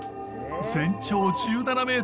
全長１７ｍ。